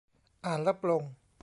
อ่านแล้วปลง